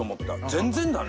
全然だね。